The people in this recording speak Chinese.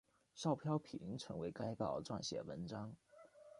邵飘萍曾为该报撰写文章。